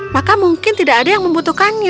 maka mungkin tidak ada yang membutuhkannya